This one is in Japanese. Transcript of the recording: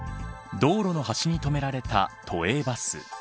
道路の端に止められた都営バス。